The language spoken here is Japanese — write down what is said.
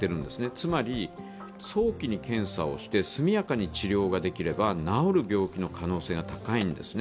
つまり早期に検査をして速やかに治療ができれば治る病気の可能性が高いんですね。